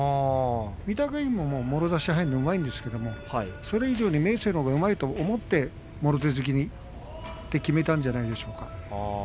御嶽海ももろ差し入るのうまいんですけれどもそれ以上に明生のほうがうまいと思ってもろ手突きにいくもろ手突きと決めたんじゃないでしょうか。